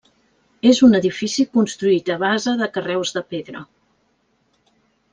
És un edifici construït a base de carreus de pedra.